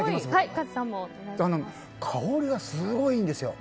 香りがすごいいいんですよ。